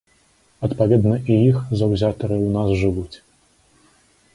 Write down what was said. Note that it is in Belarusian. Адпаведна, і іх заўзятары ў нас жывуць.